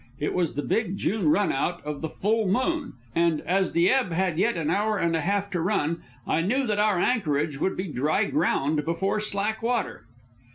It was the big June run out of the full moon, and as the ebb had yet an hour and a half to run, I knew that our anchorage would be dry ground before slack water.